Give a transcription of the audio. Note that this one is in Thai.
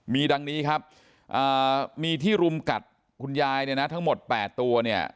มีดังนี้ครับมีที่รุมกัดคุณยายเนี่ยนะทั้งหมด๘ตัวเนี่ย